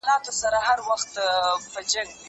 وخت تنظيم کړه!.